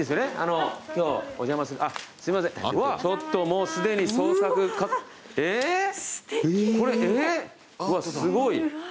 うわすごい！